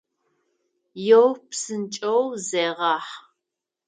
Еу, псынкӏэу зегъахь!